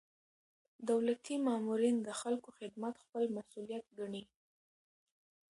دولتي مامورین د خلکو خدمت خپل مسؤلیت ګڼي.